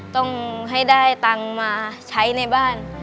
ต้องให้ได้ตังค์มาใช้ในบ้าน